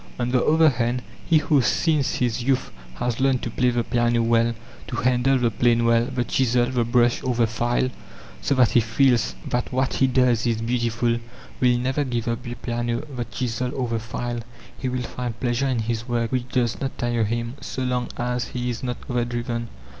On the other hand, he who since his youth has learned to play the piano well, to handle the plane well, the chisel, the brush, or the file, so that he feels that what he does is beautiful, will never give up the piano, the chisel, or the file. He will find pleasure in his work which does not tire him, so long as he is not overdriven.